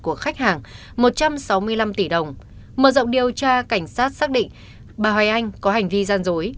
của khách hàng một trăm sáu mươi năm tỷ đồng mở rộng điều tra cảnh sát xác định bà hoài anh có hành vi gian dối